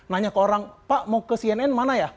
nanya ke orang pak mau ke cnn mana ya